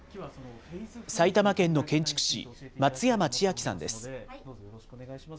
埼玉県の建築士、松山千晶さんです。